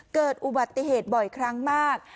เกิดอุบัติเหตุบ่อยครั้งมาก